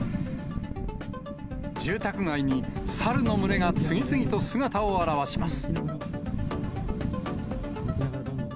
住宅街にサルの群れが次々と姿を現します。